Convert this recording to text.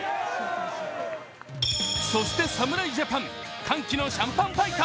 そして侍ジャパン、歓喜のシャンパンファイト。